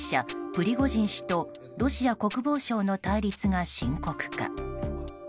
プリゴジン氏とロシア国防省の対立が深刻化。